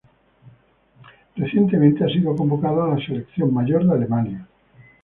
Recientemente, ha sido convocado a la selección mayor de Alemania.